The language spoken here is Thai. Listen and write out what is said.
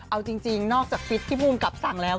เอาจริงนอกจากฟิตที่ภูมิกับสั่งแล้ว